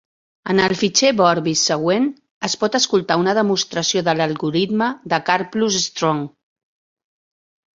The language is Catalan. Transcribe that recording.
En el fitxer Vorbis següent es pot escoltar una demostració de l'algoritme de Karplus-Strong.